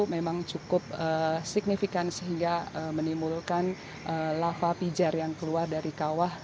memang cukup signifikan sehingga menimbulkan lava pijar yang keluar dari kawah